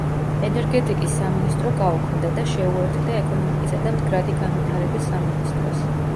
ენერგეტიკის სამინისტრო გაუქმდა და შეუერთდა ეკონომიკისა და მდგრადი განვითარების სამინისტროს.